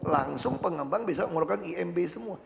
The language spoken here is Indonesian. langsung pengembang bisa mengeluarkan imb semua